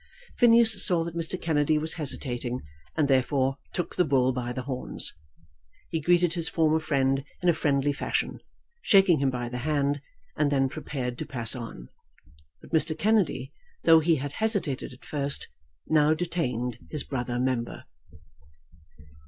Phineas saw that Mr. Kennedy was hesitating, and therefore took the bull by the horns. He greeted his former friend in a friendly fashion, shaking him by the hand, and then prepared to pass on. But Mr. Kennedy, though he had hesitated at first, now detained his brother member.